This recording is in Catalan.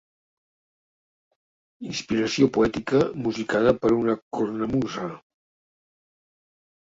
Inspiració poètica musicada per una cornamusa.